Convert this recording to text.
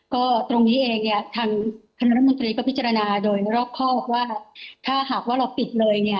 ก็ตรงนี้เองทางคณะรับมูลใจก็พิจารณาโดยรอกข้อว่าถ้าหากว่าเราปิดเลย